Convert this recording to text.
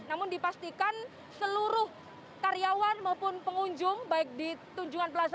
namun dipastikan seluruh karyawan maupun pengunjung baik di tunjungan plaza